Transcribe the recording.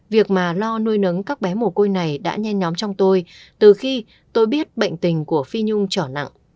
việc mà lo nuôi nấng các bé mồ côi này đã nhen nhóm trong tôi từ khi tôi biết bệnh tình của phi nhung trở nặng